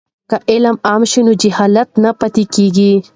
که علم عام شي نو جهالت نه پاتې کیږي.